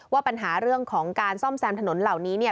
ว่าปัญหาเรื่องของการซ่อมแซมถนนเหล่านี้เนี่ย